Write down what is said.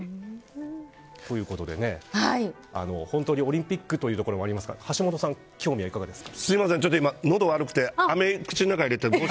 ということで、オリンピックというところもありますが橋下さん、興味はいかがですか。